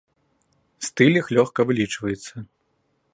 Стыль іх лёгка вылічваецца.